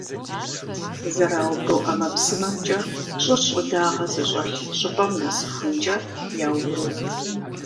Зэраубру ӀэмэпсымэмкӀэ щӀыр щӀыдагъэ зыщӀэлъ щӀыпӀэм нэсыхункӀэ яубру.